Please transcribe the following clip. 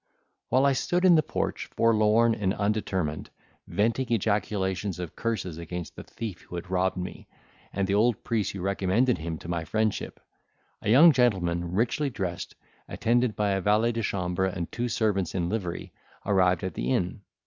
While I stood in the porch forlorn and undetermined, venting ejaculations of curses against the thief who had robbed me, and the old priest who recommended him to my friendship, a young gentleman richly dressed, attended by a valet de chambre and two servants in livery, arrived at the inn.